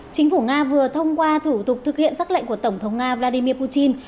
chính phủ nga vừa thông qua thủ tục thực hiện xác lệnh của tổng thống nga vladimir putin